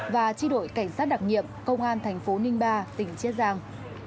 và chi đội cảnh sát đặc nhiệm công an thành phố ninh ba tỉnh chiết giang